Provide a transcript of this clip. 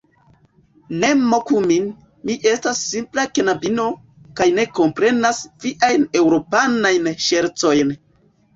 Ne moku min; mi estas simpla knabino, kaj ne komprenas viajn Eŭropanajn ŝercojn.